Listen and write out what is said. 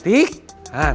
ibu yang lain cantik